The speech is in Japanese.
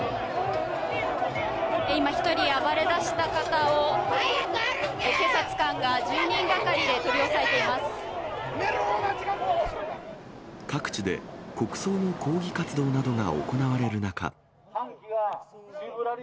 今、１人暴れだした方を、警察官が１０人がかりで取り押さえていま各地で国葬の抗議活動などが行われる中。